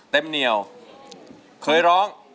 เต็มเหนียวเคยร้อง